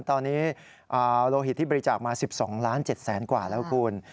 ตอนนี้โลหิตที่บริจาคมา๑๒๗๐๐๐๐๐บาทกว่าแล้วคุณ